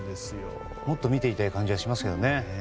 もっと見ていたい感じがしますよね。